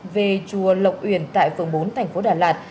về chùa lộc uyển tại phường bốn tp đà đạt